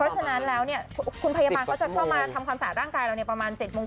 เที่ยวนี้พยาบาลจะมาทำความสาดร่างกายเราประมาณ๗โมง๘โมง